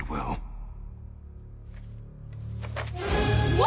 うわ！